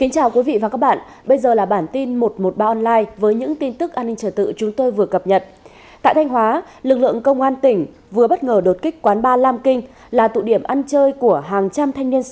chào mừng quý vị đến với bản tin một trăm một mươi ba online